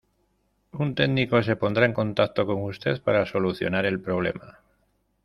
Un técnico se pondrá en contacto con usted para solucionar el problema